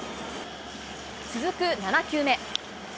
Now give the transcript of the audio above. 続く７球目。